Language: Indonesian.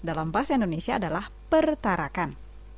dalam bahasa indonesia adalah pertarakan